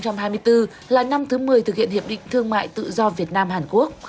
năm hai nghìn hai mươi bốn là năm thứ một mươi thực hiện hiệp định thương mại tự do việt nam hàn quốc